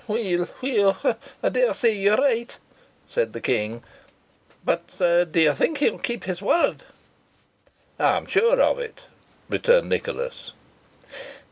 "Weel, weel, I dare say you are right," said the King. "But do you think he will keep his word?" "I am sure of it," returned Nicholas.